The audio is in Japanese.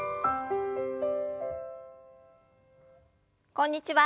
こんにちは。